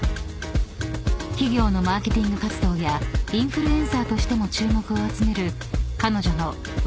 ［企業のマーケティング活動やインフルエンサーとしても注目を集める彼女の］